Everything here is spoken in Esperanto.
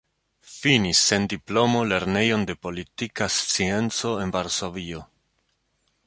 Finis sen diplomo Lernejon de Politika Scienco en Varsovio.